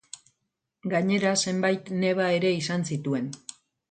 Gainera zenbait neba ere izan zituen.